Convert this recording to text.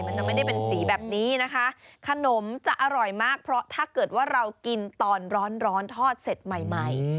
มันจะไม่ได้เป็นสีแบบนี้นะคะขนมจะอร่อยมากเพราะถ้าเกิดว่าเรากินตอนร้อนร้อนทอดเสร็จใหม่ใหม่